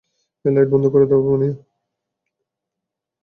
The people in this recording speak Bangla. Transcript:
লাইট বন্ধ করে দাও তো, মানিয়া।